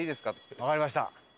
わかりました。